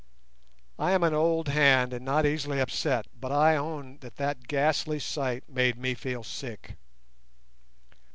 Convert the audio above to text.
_ I am an old hand and not easily upset, but I own that that ghastly sight made me feel sick.